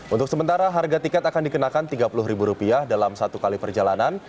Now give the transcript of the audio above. untuk sementara harga tiket akan dikenakan rp tiga puluh dalam satu kali perjalanan